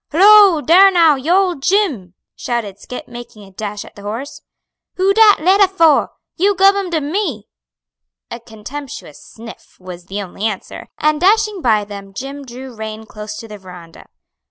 "Hollo! dar now, you ole Jim!" shouted Scip, making a dash at the horse, "who dat lettah fur? You gub um to me." A contemptuous sniff was the only answer, and dashing by them, Jim drew rein close to the veranda.